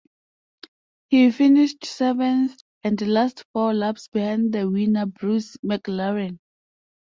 He finished seventh and last, four laps behind the winner Bruce McLaren.